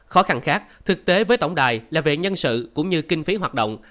khó khăn khác thực tế với tổng đài là về nhân sự cũng như kinh phí hoạt động